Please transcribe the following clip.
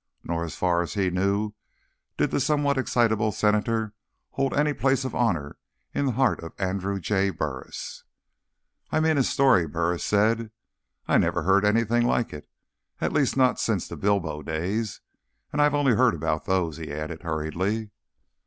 Nor, as far as he knew, did the somewhat excitable senator hold any place of honor in the heart of Andrew J. Burris. "I mean his story," Burris said. "I've never heard anything like it— at least, not since the Bilbo days. And I've only heard about those," he added hurriedly.